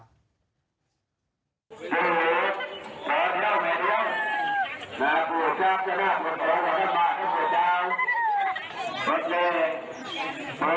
เธอเพิ่งมาที่คุณสือจากเครื่องส่วนพรรดิรัมปะ